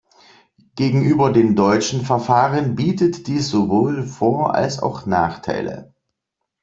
Gegenüber den deutschen Verfahren bietet dies sowohl Vor- als auch Nachteile.